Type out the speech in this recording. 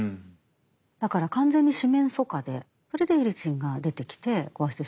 だから完全に四面楚歌でそれでエリツィンが出てきて壊してしまったと。